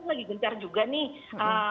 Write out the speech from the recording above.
lagi gencar juga nih